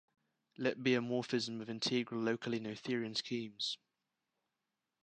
Let be a morphism of integral locally Noetherian schemes.